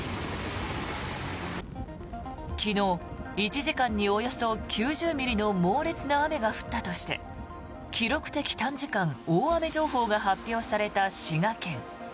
昨日、１時間におよそ９０ミリの猛烈な雨が降ったとして記録的短時間大雨情報が発表された滋賀県。